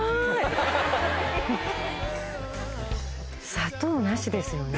砂糖なしですよね。